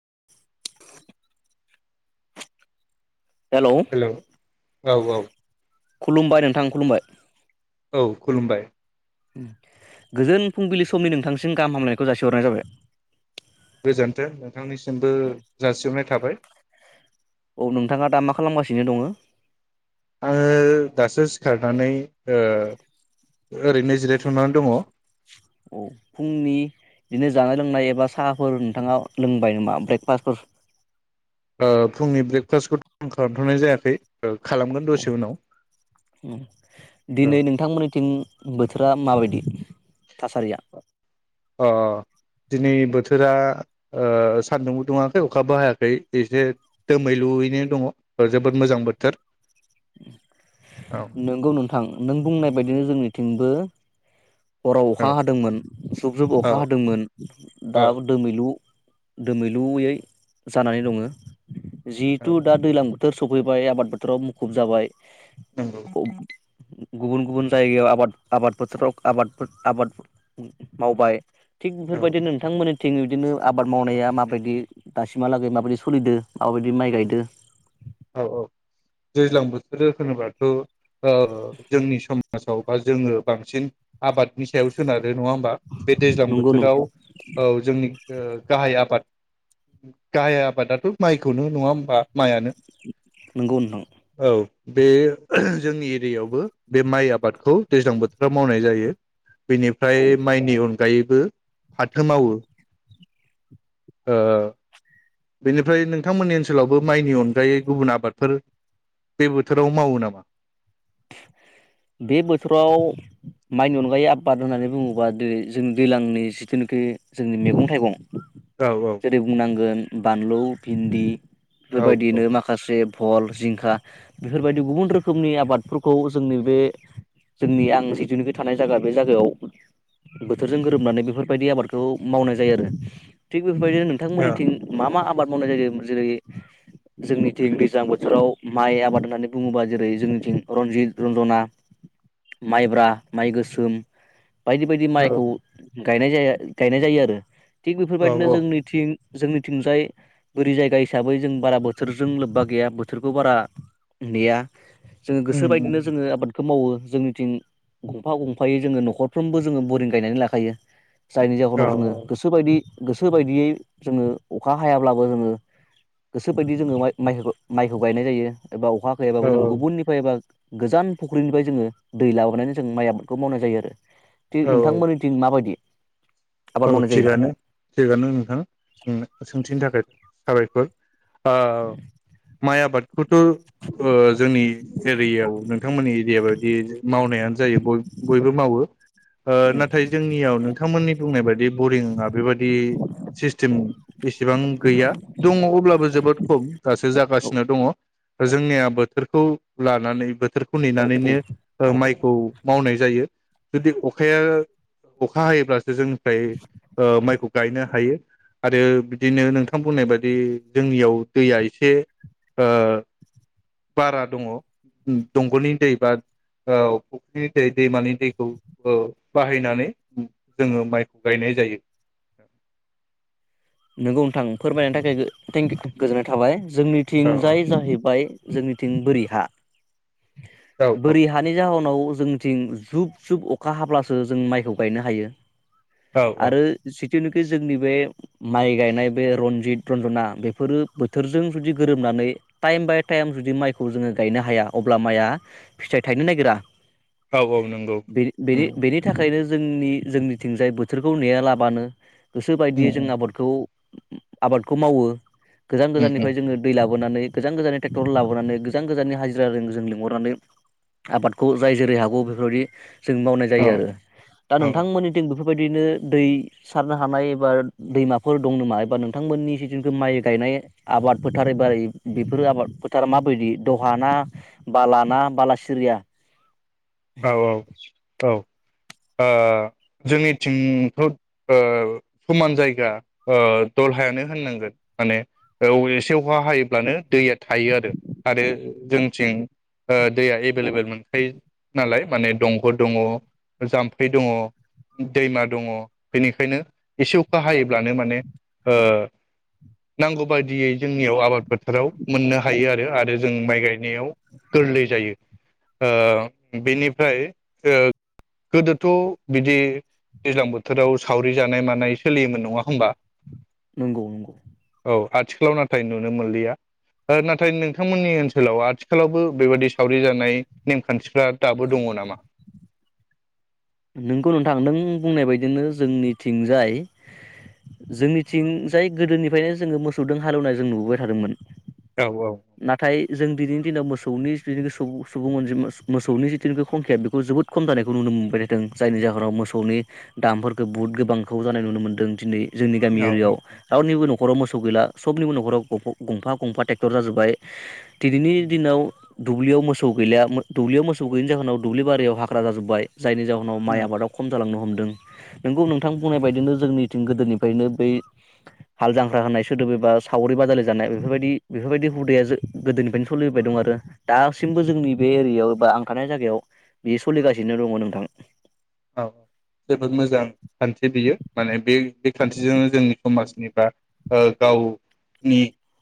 [inaudible] Hello. औ औ। खुलुमबाय नोंथां खुलुमबाय। औ खुलुमबाय। ओम गोजोन फुंबिलि समनि नोंथांसिम गाहाम हामलायनायखौ जासिहरनाय जाबाय। गोजोन्थों नोंथांनिसिमबो जासिहनाय थाबाय। औ नोंथाङा दा मा खालामगासिनो दङो। आङो दासो सिखारनानै ओ ओरैनो जिरायथना दङ। औ फुंनि बिदिनो जानाय लोंनाय एबा साहाफोर नोंथाङा लोंबाय नामा ब्रेकफास्टफोर। ओ फुंनि ब्रेकफास्टखौथ आं खालामथनाय जायाखै। खालामगोन दसे उनाव अह ओम दिनै नोंथांमोननिथिं बोथोरा। माबायदि थासारिया? अह दिनै बोथोरा ओ सान्दुंबो दुङाखै अखाबो हायाखै एसे दोमैलुयैनो दङ जोबोद मोजां बोथोर। औ नंगौ नोंथां नों बुंनाय बायदिनो जोंनिथिंबो हराव औ अखा हादोंमोन जुब जुब औ अखा हादोंमोन औ दाबो दोमैलु। दोमैलुयै जानानै दङो। जितु औ दा दैलां बोथ थोर सफैबाय आबाद बोथोराव मुखुब जाबाय। नंगौ औ गुबुन गुबुन जायगायाव आबाद आबाद फोथाराव। आबाद आबाद मावबाय। थिग औ बेफोरबायदि नोंथांमोनन थिं बिदिनो आबाद मावनाया माबादि दासिमहालागै माबादि सलिदो माबायदि माइ गायदो। औ औ दैज्लां बोथोर होनोबाथ ओ जोंनि समाजाव बा जोङो बांसिन आबादनि सायाव सोनार नङा होमबा बे दैज्लां नंगौ बोथोराव औ जोंनि ओ गाहाय आबाद गाहाय आबादाथ माइखौनो नङा होमबा माइआनो। नंगौ नोंथां। बे जोंनि एरियायावबो बे माइ आबादखौ दैज्लां बोथोराव मावनाय जायो। औ बेनिफ्राय माइनि उन अनगायैबो फाथो मावो। ओ बेनिफ्राय नोंथांमोननि ओन ओनसोलावबो माइनि अनगायै गुबुन आबाद फोर बे बोथोराव मावो नामा? बे बोथोराव माइनि अनगायै आबाद होननानै बुङोबा दि जोंनि दैज्लांनि जिथुनाखि जोंनि मैगं थाइगं औ औ जेरै बुंनांगोन बानलु, भिन्दि औ बेफोरबायदिनो माखासे फल, जिंखा बेफोरबायदि गुबुन रोखोमनि आबादफोरखौ जोंनि बे जोंनि आं जिथुनिखि थानाय जायगा बे जायगायाव बोथोरजों गोरोबनानै बेफोरबायदि आबादखौ मावनाय जायो आरो थि बेफोरबायदिनो औ नोंथांमोननिथिं मा मा आब आबाद मावनाय जायो। जेरै जोंनिथिं दैज्लां बोथोराव माइ आबाद होननानै बुङोबा जेरै जोंनिथिं रनजित रत रना, माइब्रा, माइ गोसोम बायदि बायदि माइखौ गायनाय जा गायनाय जायो आरो थिग औ बेफोरबायदिनो औ जोंनिथिं जोंनिथिंजाय बोरि जायगा हिसाबै जों बारा बोथोरजों लोब्बा गैया बोथोरखौ बारा नेया जोङो उम उम गोसोबायदिनो बादखौ मावो जोंनिथिं गंफा गंफायै जोङो नखरफ्रोमबो जोङो बरिं गायनानै लाखायो। जायनि औ जाहोनाव जोङो गोसोबायदि गोसो बायदियै जोङो अखा हायाब्लाबो जोङो गोसो बायदियै जोङो माइ माइखौ गायनाय जायो। एबा अखा औ गैयाबो जों गुबुननिफ्राय एबा गोजान फुख्रिनिफ्राय जोङो दै लाबोनानै जों माइ आबादखौ मावनाय जायो आरो औ थिग नोंथांमोननि थिं माबायदि? आबाद औ मावनाय जायो थिगानो थिगानो नोंथां सोंना सोंथिनि थाखाय साबायखर आ माय आबाद खौथ ओ जोंनि एरियायाव नोंथांमोननि एरिया बायदि मावनायानो जायो बय-बयबो मावो ओ नाथाय जोंनियाव नोंथांमोननि बुंनाय बायदि बरिंआ बेबायदि सिस्टेम इसेबां गैया दङ अब्लाबो जोबोद खम दासो औ जागासिनो दङ जोंनिया बोथोरखौ लानानै बो थोरखौ औ औ नेनानैनो ओ माइ खौ मावनाय जायो जुदि अखाया अखा हायोब्ला जे जों थाय ओ माइखौ गायनो हायो। आरो बिदिनो नोंथां बुंनाय बायदि जोंनियाव दैया एसे आ बारा दङ दंगलनि दै बा फुख्रिनि दै दैमानि दैखौ ओ बाहायनानै जोङो माइखौ गायनाय जायो। नोंगौ नोंथां फोरमायनायनि थाखाय थेंकि गोजोननाय थाबाय। औ जोंनिथिंजाय जाहैबाय जोंनिथिं बोरि हा औ औ बोरि हानि जाहोनाव जोंनिथिं जुब जुब अखा हाब्लासो जों माइखौ गायनो हायो। औ औ आरो जिखुनोखि जोंनि बे गायनाय बे रनजित रन्जना बेफोरो बोथोरजों जुदि गोरोबनानै टाइम बाय टाइम जुदि माइखौ जोङो गायनो हाया अब्ला माइआ फिथाइ थायनो नागिरा औ औ नंगौ बेनि उम बेनि बेनि थाखायनो जोंनि जोंनिथिंजाय बोथोरखौ नेयालाबानो गोसो उम बायदियै जों उम आबाद आबादखौ मावो गोजान गोजाननिफ्राय उम जोङो दै लाबो बोनानै गोजान गोजाननि ट्रेक्टर लाबोनानै गोजान गोजाननि हाजिराजों जों लिंहरनानै आबादखौ जाय जेरै हागौ बेफोरबायदि जों मावनाय औ जायो आरो दा औ नोंथांमोननिथिं बेफोर बेबायदिनो दै सारनो हानाय एबा दैमा फोर दं नामा एबा नोंथांमोननि जिथुनिखि माइ गायनाय आबाद फोथार एबा बेफोर आबाद फोथारा माबायदि दहा ना बाला ना बाला सिरिया? औ औ औ ओ जोंनिथिंथ' ओ समान जायगा दलहायानो होननांगोन माने ओ एसे अखा हायोब्लानो दैया थायो आरो आरो जोंथिं दैया एभेलेबेल मोनखायो नालाय माने दंग' दङ जाम्फै दङ दैमा दङ बेनिखायनो एसे अखा हायोब्लानो माने ओ‌ नांगौ बायदियै जोंनियाव आबाद फोथाराव मोननो हायो आरो आरो जों माइ गायनायाव गोरलै जायो ओ बेनिफ्राय गोदोथ' बिदि दैज्लां बोथोराव सावरि जानाय मानाय सोलियोमोन नङा होमबा? नंगौ नंगौ औ आथिखालाव नाथाय नुनो मोनलिया नाथाय नोंथांमोननि ओनसोलाव आथिखालावबो बेबायदि सावरि जानाय नेमखान्थि फोरा दाबो दङ नामा? नोंगौ नोंथां नों बुंनाय बायदिनो जोंनिथिंजाय जोंनिथिंजाय गोदोनिफायनो जोङो मोसौदों हालेवनाय जों नुबोबाय थादोंमोन औ औ नाथाय जों दिनैनि दिनाव मोसौनि जिथुनिखि सुबुं अनजिमा मोसौनि जिथुनिखि संखिया बेखौ जोबोद खम जानायखौ नुनो मोनबोदो दों जायनि जाहोनाव मोसौनि दामफोरखौ बुहुत गोबांखौ जानाय नुनो मोन्दों दिनै जोंनि गामि दङ औ एरियायाव रावनिबो नख खराव मोस गैला सबनिबो नखराव गंफा गंफा ट्रेक्टर जाजोबाय दिनैनि दिनाव दुब्लियाव मोसौ गैला दुब्लियाव मोसौ गैयैनि जाहोनाव दुब्लिबारियाव हाग्रा जाजोबबाय जायनि जाव नाव‌ माइ आबादाव खम जांलांनो हमदो दों नोंगौ नोंथां बुंनाय बायदिनो जोंनि थिं गोदोनिफ्रायनो बै हाल जांख्रा होनाय सोदोब एबा सावरि बादालि जानाय बेफोरबायदि बेफोरबायदि हुदाया गोदोनिफ्रायनो सोलिबोबाय दं आरो दासिमबो जोंनि बे एरियायाव एबा आं थानाय जायगायाव बेयो सोलिगासिनो दङ नोंथां। औ जोबोद मोजां खान्थि बियो माने बे बे खान्थिजोंनो जोंनि समाजनि बा ओ गावनि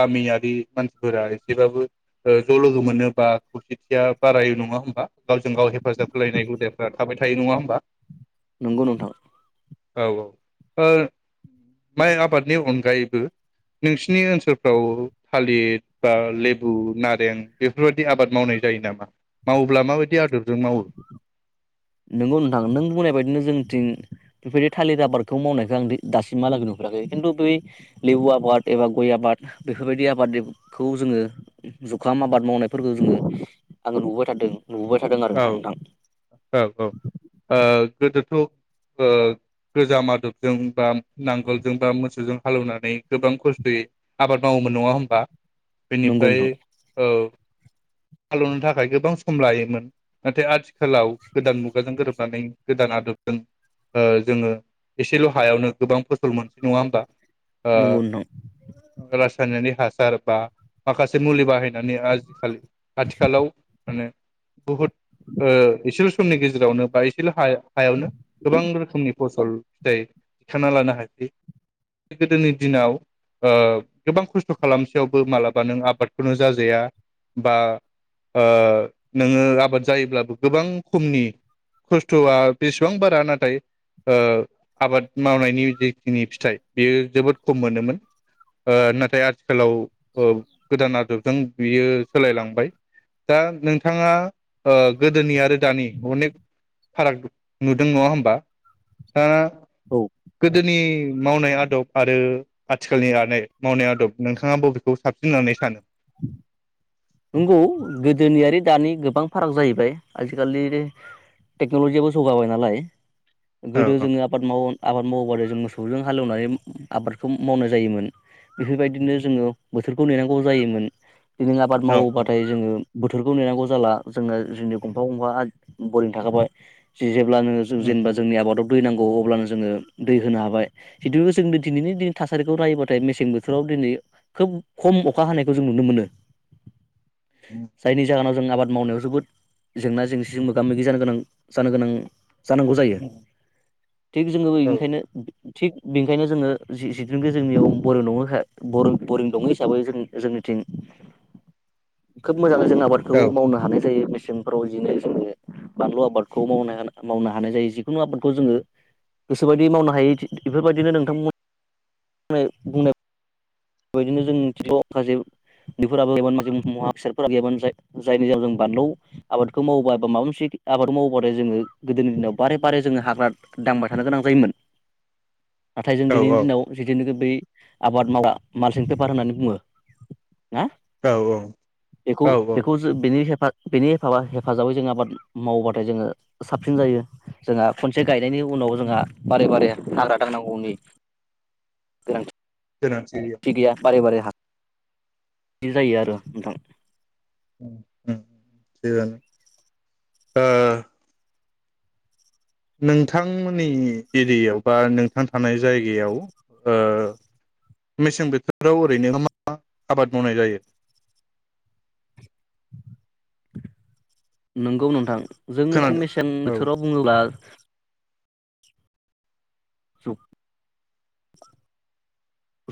गामियारि मानसिफोरा एसेबाबो ओ ज' लोगो मोनो बा खौसेथिया बारायो नङा होमबा? गावजों-गाव हेफाजाब होलायनाय हुदाफ्रा थाबाय थायो नङा होम बा नंगौ नोंथां। औ औ माइ आबादनि अनगायैबो नोंसिनि ओनसोलफ्राव थालिर बा लेबु नारें बेफोरबादि आबाद मावनाय जायो नामा? मावोब्ला माबायदि आदबजों मावो? नंगौ नोंथां नों बुंनाय बायदिनो जोंनिथिं बेफोरबायदि थालिर आबादखौ मावनायखौ आं दासिमहालागै नुफेराखै खिन्थु बै लेबु आबाद एबा गय आबाद बेफोरबायदि आबादखौ जोङो जुखाम आबाद मावनायफोरखौ जोङो आङो नुबोबाय थादों नुबोबाय थादों आरो औ नोंथां औ ओ गोदोथ' ओ गोजाम आदबजों बा नांगोलजों बा मोसौजों हालेवनानै गोबां खस्थ'यै आबाद मावोमोन नङा होमबा? नंगौ बेनिफ्राय नोंथां ओ हालेवनो थाखाय गोबां सम लायोमोन नाथाय आथिखालाव गोदान मुगाजों गोरोबनानै गोदान आदबजों ओ जोङो एसेल' हायावनो गोबां फसल मोनसै नङा होमबा? नंगौ नोंथां ओ रासायनारि हास‌ सार बा माखासे मुलि बाहायनानै आजिखालि आथिखालाव माने बहुद ओ इसेल' समनि गेजेरावनो बा एसेल' हायावनो हायावनो गोबां रोखोमनि फसल फिथाइ थिखांना लानो हायो गोदोनि दिनाव गोबां खस्थ खालामसेयावबो मालाबा नों आबादखौनो जाजाया बा ओ नोङो आबाद जायोब्लाबो गोबां खमनि खस्थ'आ बेसेबां बारा नाथाय ओ आबाद मावनायनि जेखिनि फिथाइ बेयो जोबोद खम मोनोमोन ओ नाथाय आथिखालाव गोदान ओ आदबजों बियो सोलायलांबाय दा नोंथाङा ओ गोदोनि आरो दानि अनेक फाराग नुदों नङा होमबा? दा औ गोदोनि मावनाय आदब आरो आथिखालनि मावनाय आदब नोंथाङा बबेखौ साबसिन होननानै सानो? [inaudible] नंगौ गोदोनि आरो दानि गोबां फाराग जाहैबाय आजिखालि टेक्न'लजियाबो जौगाबाय नालाय। औ गोदो जोङो आबाद माव आबाद मावोबानो जोङो मोसौजों हालौनानै आबादखौ मावनाय जायोमोन बेफोरबायदिनो जोङो बोथोरखौ नेनांगौ जायोमोन। आबाद औ उम मावोब्लाथाय जोङो बोथोरखौ नेनांगौ जाला जोङो जोंनि गंफा गंफा बरिं थाखाबाय जिजों [unintelligible] जोङो जों जेनेबा उम जोंनि आबाद दै नांगौ अब्लानो जोङो दै होनो हाबाय जिदु जों दिनैनि थासारिखौ नायोबाथाय मेसें बोथोराव दिनै खोब खम अखा हानायखौ जों नुनो मोनो। जायनि जाहोनाव जों आबाद मावनायाव जोबोद जेंना जेंसिजों मोगा-मोगि जानो गोनां जानो गोनां जानांगौ जायो उम थिग जोङो बे ओंखायनो औ थिग बेनिखायनो जोङो जि-जिथुनाखि जोंनियाव बरिं दङो हे बर-बरिं दङ हिसाबै जों-जोंनिथिं मोजाङै जों आबादखौ औ मावनो हानाय जायो। फ्राव जिने बानलु आबादखौ मावनो हाना मावनो हानाय जायो जिकुनु आबादखौ जोङो गोसोबायदि मावनो हायो इदि इफोरबायदिनो नोंथांमोन बुंनाय बुंनाय बायदिनो जों [unintelligible] उन्दैफोरबो जों [unintelligible] फोरा गैयामोन जाय-जायनि जाव जों बानलु आबादखौ मावोबा बा माबा मोनसे आबाद मावोबथाय जोङो गोदोनि दिनाव बारे बारे जोङो हाग्रा दांबाय थानो गोनां जायोमोन। नाथाय जों औ दिनैनि दिनाव जिदिनो गो बै आबाद मावग्रा मालसिं पेपार होननानै बुङो ना? औ बेखौ औ औ बेखौ ज बेनि हेफा बेनि हेफाबा-हेफाजाबै जों आबाद मावोबाथाय जोङो साबसिन जायो जोंहा खनसे गाय गायनायनि उनाव जोंहा बारे बारे हाग्रा दांनांगौैनि गोनांथि थि गैया बारै बारै हा बिदि जायो आरो नोंथां। [unintelligible] ओ नोंथांमोननि एरियायाव बा नोंथां थानाय जायगायाव ओ मेसें बोथोराव ओरैनो मा मा आबाद मावनाय जायो? नोंगौ नोंथां। जोंनिथिं खोनादों मेसें औ बोथोराव बुङोब्ला औ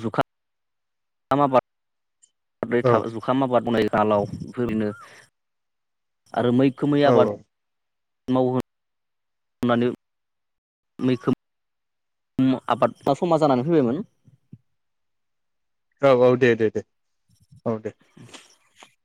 जुखाम आबाद। बै औ था जुखाम आबाद मावनाय दालाव बेफोरनो आरो मै खोमै औ आबाद मावहो होनानै मैखोम आबादा समा जानानै फैबायमोन। औ औ दे दे दे। औ दे। [inaudible]